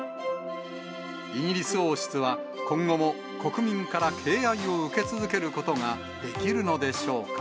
イギリス王室は、今後も国民から敬愛を受け続けることができるのでしょうか。